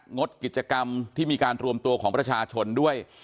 งดกิจกรรมที่มีการรวมตัวของประชาชนด้วย